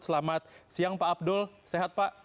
selamat siang pak abdul sehat pak